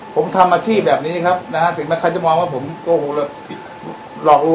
ผมทำอาชีพแบบนี้ครับนะฮะถึงแม้ใครจะมองว่าผมโกหกแล้วหลอกลวง